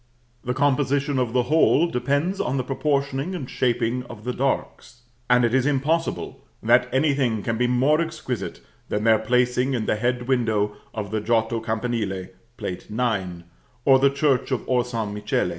The composition of the whole depends on the proportioning and shaping of the darks; and it is impossible that anything can be more exquisite than their placing in the head window of the Giotto campanile, Plate IX., or the church of Or San Michele.